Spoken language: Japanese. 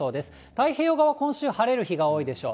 太平洋側、今週、晴れる日が多いでしょう。